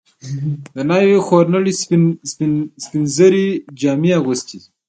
د ناوې خورلڼې سپین زري جامې اغوستې وې.